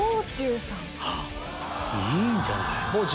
いいんじゃない？